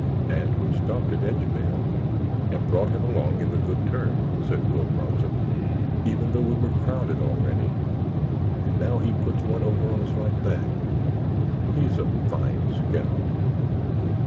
"And we stopped at Edgevale and brought him along in the Good Turn," said Will Bronson, "even though we were crowded already. And now he puts one over on us like that! He's a fine scout!"